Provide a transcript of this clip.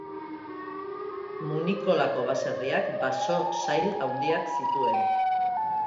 Munikolako baserriak baso sail handiak zituen.